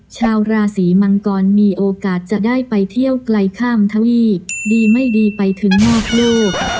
ชาวราศีมังกรมีโอกาสจะได้ไปเที่ยวไกลข้ามทวีปดีไม่ดีไปถึงนอกโลก